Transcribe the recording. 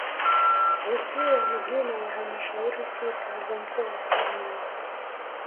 Zikiwa ni jumla ya halmashauri sita za mkoa wa Simiyu